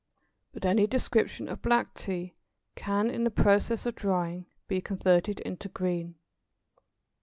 But any description of black Tea can, in the process of drying, be converted into green.